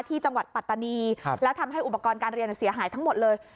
จังหวัดปัตตานีแล้วทำให้อุปกรณ์การเรียนเสียหายทั้งหมดเลย